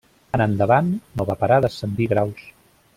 En endavant no va parar d'ascendir graus.